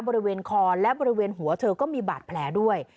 บริเวณคอและบริเวณหัวเธอก็มีบาดแผลด้วย